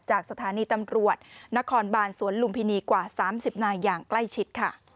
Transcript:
จากสถานีตำรวจนครบานสวนลุมพินีกว่า๓๐นายอย่างใกล้ชิดค่ะ